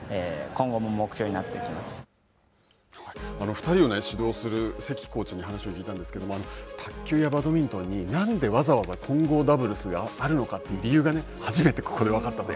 ２人を指導するコーチに話を聞いたんですけども卓球やバドミントンになんで、わざわざ混合ダブルスがあるのかという理由が初めてここで分かったと。